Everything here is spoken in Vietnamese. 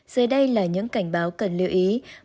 dưới đây là những cảnh báo cần lưu ý